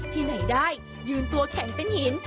ที่ไหนได้ยืนตัวแข็งเป็นหิน